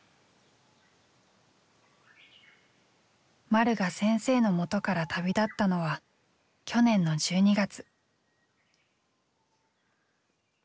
まるが先生のもとから旅立ったのは去年の１２月。